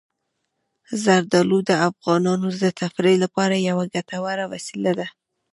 زردالو د افغانانو د تفریح لپاره یوه ګټوره وسیله ده.